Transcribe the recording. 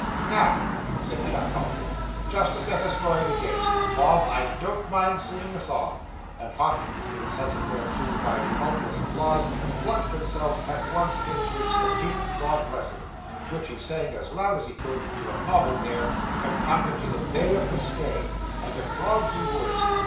'Now,' said Jack Hopkins, 'just to set us going again, Bob, I don't mind singing a song.' And Hopkins, incited thereto by tumultuous applause, plunged himself at once into 'The King, God bless him,' which he sang as loud as he could, to a novel air, compounded of the 'Bay of Biscay,' and 'A Frog he would.